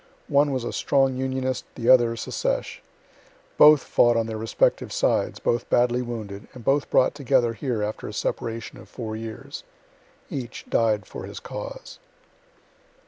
One was a strong Unionist, the other Secesh; both fought on their respective sides, both badly wounded, and both brought together here after a separation of four years. Each died for his cause.